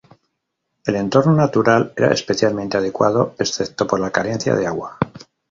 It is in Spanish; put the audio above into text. El entorno natural era especialmente adecuado, excepto por la carencia de agua.